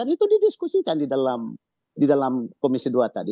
itu didiskusikan di dalam komisi dua tadi